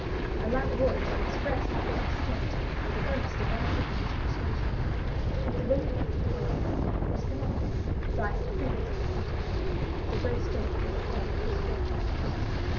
I lack words to express the full extent, or the earnest abandon of his persuasion. The belief, however, was connected (as I have previously hinted) with the gray stones of the home of his forefathers.